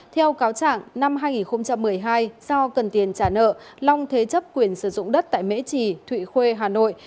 theo cáo trạng năm hai nghìn một mươi hai do cần tiền trả nợ long thế chấp quyền sử dụng đất tại mễ trì thụy khuê hà nội